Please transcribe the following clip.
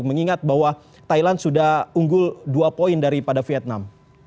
mengingat bahwa thailand sudah unggul dua poin daripada vietnam